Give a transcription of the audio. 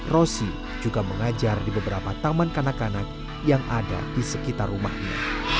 rosi juga mengajar di beberapa taman kanak kanak yang ada di sekitar rumahnya